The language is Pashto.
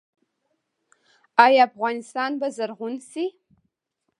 آیا افغانستان به زرغون شي؟